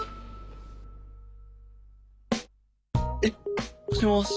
えっ！もしもし。